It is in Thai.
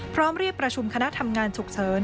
เรียกประชุมคณะทำงานฉุกเฉิน